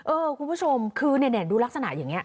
เออคุณผู้ชมคือเนี่ยดูลักษณะอย่างเงี้ย